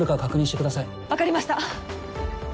分かりました。